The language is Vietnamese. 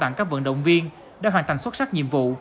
tặng các vận động viên đã hoàn thành xuất sắc nhiệm vụ